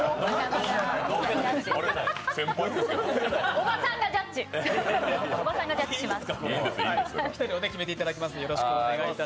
おばさんがジャッジします。